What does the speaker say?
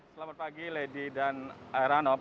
selamat pagi lady dan heranov